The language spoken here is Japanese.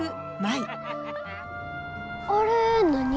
あれ何？